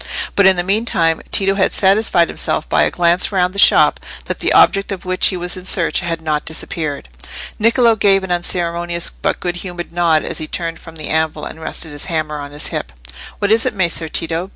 But in the meantime Tito had satisfied himself by a glance round the shop that the object of which he was in search had not disappeared. Niccolò gave an unceremonious but good humoured nod as he turned from the anvil and rested his hammer on his hip. "What is it, Messer Tito?